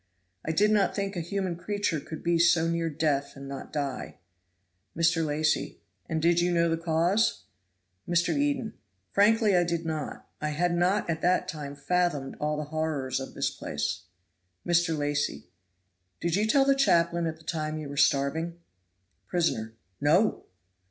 I did not think a human creature could be so near death and not die." Mr. Lacy. "And did you know the cause?" Mr. Eden. "Frankly, I did not. I had not at that time fathomed all the horrors of this place." Mr. Lacy. "Did you tell the chaplain at the time you were starving?" Prisoner. "No!"